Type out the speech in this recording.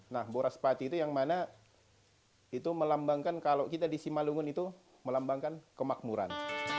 nah boras pati itu yang mana itu melambangkan kalau kita di simalungun itu melambangkan kemakmuran